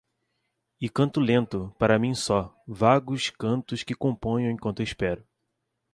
e canto lento, para mim só, vagos cantos que componho enquanto espero.